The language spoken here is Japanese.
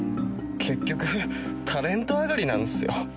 結局タレント上がりなんすよ。